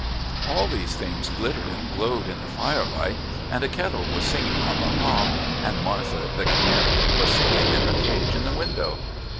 All these things glittered and glowed in the firelight, and a kettle was singing on the hob and Martha the canary was singing in her cage in the window.